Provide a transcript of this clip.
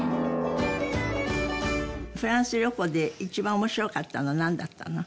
フランス旅行で一番面白かったのはなんだったの？